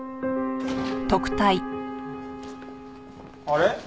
あれ？